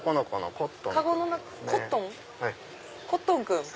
コットン君！